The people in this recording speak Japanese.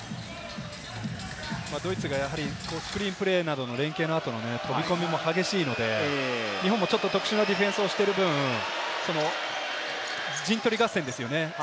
ドイツがスクリーンプレーなどの連係の後の飛び込みも激しいのでね、日本もちょっと特殊なディフェンスをしている分、陣取り合戦ですよね。